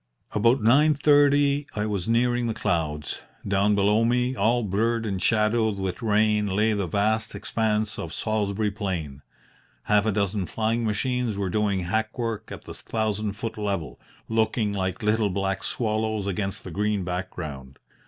"About nine thirty I was nearing the clouds. Down below me, all blurred and shadowed with rain, lay the vast expanse of Salisbury Plain. Half a dozen flying machines were doing hackwork at the thousand foot level, looking like little black swallows against the green background.